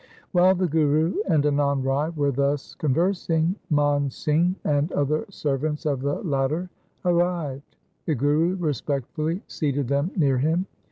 While the Guru and Anand Rai were thus con versing, Man Singh and other servants of the latter arrived. The Guru respectfully seated them near him.